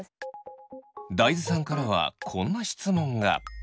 大豆さんからはこんな質問が。